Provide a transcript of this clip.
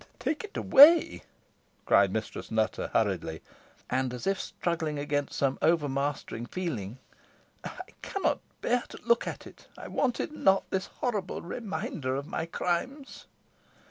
"Take it away," cried Mistress Nutter, hurriedly, and as if struggling against some overmastering feeling. "I cannot bear to look at it. I wanted not this horrible reminder of my crimes."